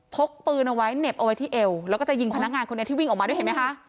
กปืนเอาไว้เหน็บเอาไว้ที่เอวแล้วก็จะยิงพนักงานคนนี้ที่วิ่งออกมาด้วยเห็นไหมคะ